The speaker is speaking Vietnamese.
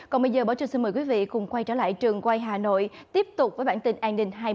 còn bây giờ báo chí xin mời quý vị quay trở lại trường quay hà nội tiếp tục với bản tin an ninh hai mươi bốn h